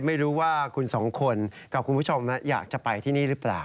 ไม่รู้ว่าคุณสองคนกับคุณผู้ชมอยากจะไปที่นี่หรือเปล่า